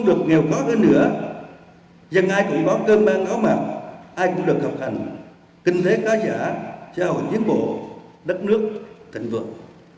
dần ai cũng có cơn ban áo mạng ai cũng được học hành kinh tế khá giả trao hình chiến bộ đất nước thành vượng